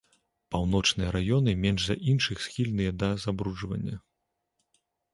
Паўночныя раёны менш за іншых схільныя да забруджвання.